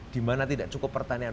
dimana tidak cukup pertanian